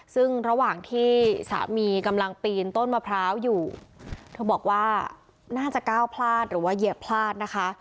ซึ่งระหว่างที่สามีกำลังปีนต้นมะพร้าวอยู่เธอบอกว่าน่าจะก้าวพลาดหรือว่าเหยียบพลาดนะคะ